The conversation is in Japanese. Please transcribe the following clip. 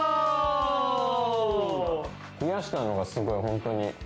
冷やしたのがすごい本当に。